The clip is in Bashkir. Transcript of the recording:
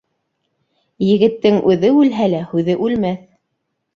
Егеттең үҙе үлһә лә, һүҙе үлмәҫ.